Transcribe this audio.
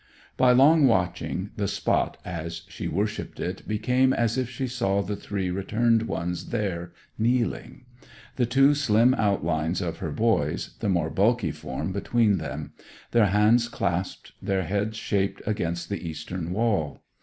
By long watching the spot as she worshipped it became as if she saw the three returned ones there kneeling; the two slim outlines of her boys, the more bulky form between them; their hands clasped, their heads shaped against the eastern wall.